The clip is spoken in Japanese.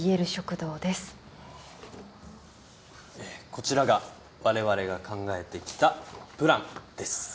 こちらが我々が考えてきたプランです。